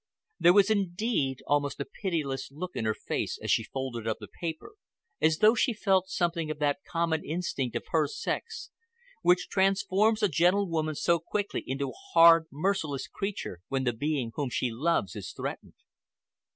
There was indeed almost a pitiless look in her face as she folded up the paper, as though she felt something of that common instinct of her sex which transforms a gentle woman so quickly into a hard, merciless creature when the being whom she loves is threatened.